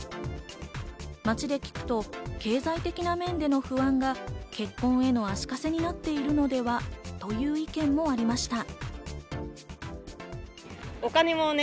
街で聞くと経済的な面での不安が結婚への足かせになっているのではという意見もありました。